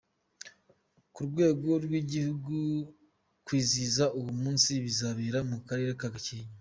Ku rwego rw’Igihugu kwizihiza uwo munsi bizabera mu Karere ka Gakenke.